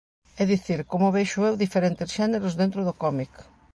É dicir, como vexo eu diferentes xéneros dentro do cómic.